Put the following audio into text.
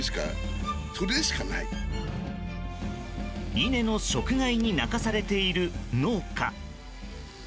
稲の食害に泣かされている農家。